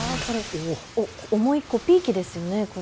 重いコピー機ですよね、これ。